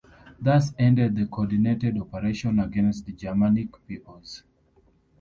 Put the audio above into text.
Thus ended the coordinated operation against the Germanic peoples.